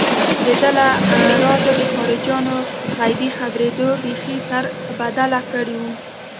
دده له رازه د خارجيانو غيبي خبرېدو بېخي سربداله کړی و.